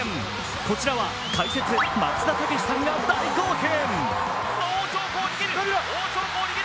こちらは解説・松田丈志さんが大興奮。